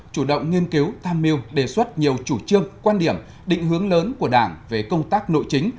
chủ động nghiên cứu tham mưu đề xuất nhiều chủ trương quan điểm định hướng lớn của đảng về công tác nội chính